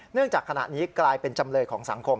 จากขณะนี้กลายเป็นจำเลยของสังคม